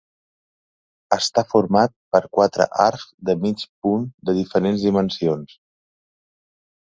Està format per quatre arcs de mig punt de diferents dimensions.